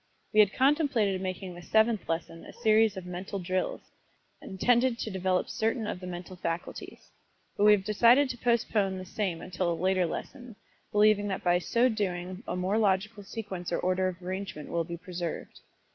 We had contemplated making this Seventh Lesson a series of Mental Drills, intended to develop certain of the mental faculties, but we have decided to postpone the same until a later lesson, believing that by so doing a more logical sequence or order of arrangement will be preserved.